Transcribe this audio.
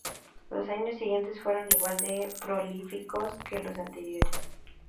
Los años siguientes fueron igual de prolíficos que los anteriores.